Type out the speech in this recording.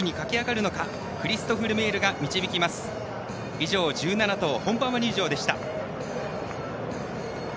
以上、１７頭、本馬場入場でした。